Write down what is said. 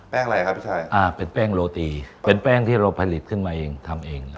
อะไรครับพี่ชายอ่าเป็นแป้งโรตีเป็นแป้งที่เราผลิตขึ้นมาเองทำเอง